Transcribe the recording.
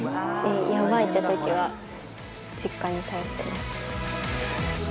やばいってときは、実家に頼ってます。